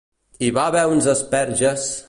Hi va haver uns asperges!